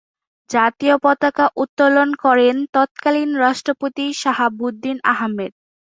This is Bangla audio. জাতীয় পতাকা উত্তোলন করেন তৎকালীন রাষ্ট্রপতি শাহাবুদ্দিন আহমেদ।